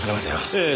ええ。